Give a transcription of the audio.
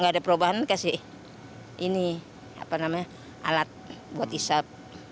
gak ada perubahan kasih ini apa namanya alat buat nyesek